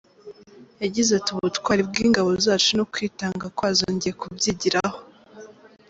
Yagize ati “ Ubutwari bw’ingabo zacu n’ukwitanga kwazo ngiye kubyigiraho.